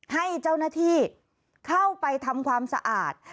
ให้เจ้าหน้าที่เข้าไปทำความสะอาด